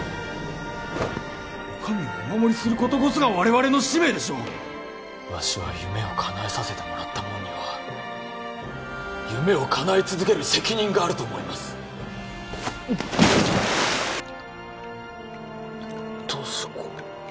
お上をお守りすることこそが我々の使命でしょうわしは夢を叶えさせてもらったもんには夢を叶え続ける責任があると思います俊子？